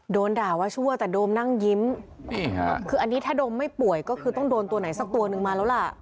โดนด่าว่าชั่วแต่โดมนั่งยิ้มนี่ค่ะคืออันนี้ถ้าโดมไม่ป่วยก็คือต้องโดนตัวไหนสักตัวนึงมาแล้วล่ะ